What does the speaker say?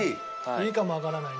いいかもわからないね。